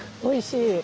おいしい。